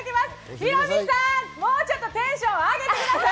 ヒロミさん、もうちょっとテンション上げてください！